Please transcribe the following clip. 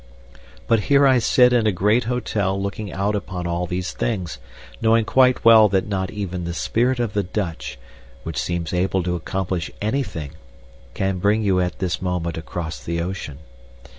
But here I sit in a great hotel looking out upon all these things, knowing quite well that not even the spirit of the Dutch, which seems able to accomplish anything, can bring you at this moment across the moment.